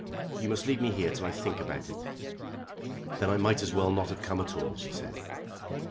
"You must leave me here till I think about it." "Then I might as well not have come at all," she said.